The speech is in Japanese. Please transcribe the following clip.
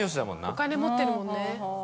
お金持ってるもんね